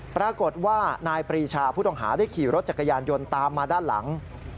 ปรากฏว่านายปรีชาผู้ต้องหาได้ขี่รถจักรยานยนต์ตามมาด้านหลัง